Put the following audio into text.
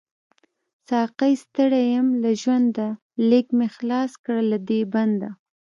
ساقۍ ستړی يم له ژونده، ليږ می خلاص کړه له دی بنده